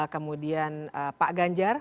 kemudian pak ganjar